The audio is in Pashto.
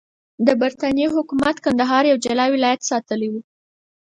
د برټانیې حکومت کندهار یو جلا ولایت ساتلی وو.